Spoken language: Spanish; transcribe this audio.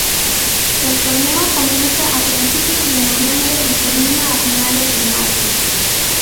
El torneo comienza a principios de noviembre y termina a finales de marzo.